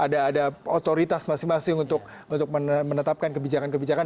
karena tadi ada independensi ada otoritas masing masing untuk menetapkan kebijakan kebijakan